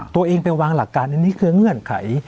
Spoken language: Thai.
ตัวเองไปวางหลักการอันนี้คือเงื่อนไข